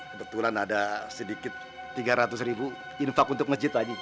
kebetulan ada sedikit tiga ratus ribu infak untuk masjid lagi